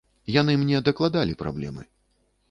Яны мне даклалі праблемы.